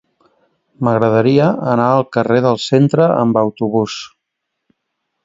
M'agradaria anar al carrer del Centre amb autobús.